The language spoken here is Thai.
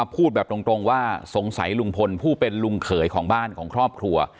พูดแบบตรงว่าสงสัยลุงพลผู้เป็นลุงเขยของบ้านของครอบครัว